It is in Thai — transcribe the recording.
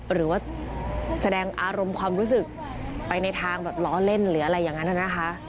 หรือว่าแสดงอารมณ์ความรู้สึกไปในทางแบบล้อเล่นหรืออะไรอย่างนั้นนะคะ